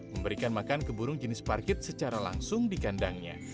memberikan makan ke burung jenis parkit secara langsung di kandangnya